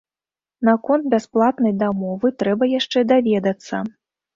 Наконт бясплатнай дамовы трэба яшчэ даведацца.